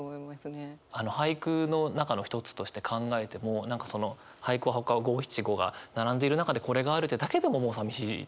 俳句の中の一つとして考えても何かその俳句五七五が並んでいる中でこれがあるってだけでもさみしいですよね。